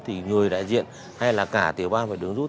thì người đại diện hay là cả tiểu bang phải đứng rút